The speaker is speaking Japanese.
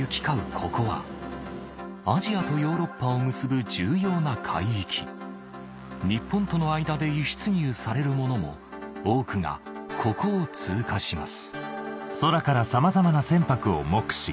ここはアジアとヨーロッパを結ぶ重要な海域日本との間で輸出入されるものも多くがここを通過します